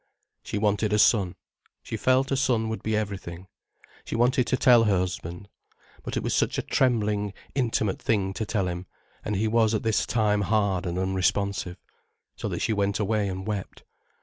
She wanted a son. She felt, a son would be everything. She wanted to tell her husband. But it was such a trembling, intimate thing to tell him, and he was at this time hard and unresponsive. So that she went away and wept.